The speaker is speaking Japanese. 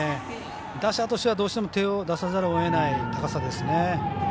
打者としては手を出さざるをえない高さですね。